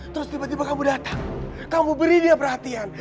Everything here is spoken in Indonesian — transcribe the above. terus tiba tiba kamu datang kamu beri dia perhatian